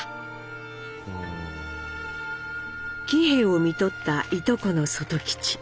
喜兵衛をみとったいとこの外吉。